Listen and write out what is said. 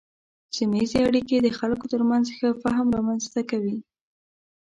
سیمه ایزې اړیکې د خلکو ترمنځ ښه فهم رامنځته کوي.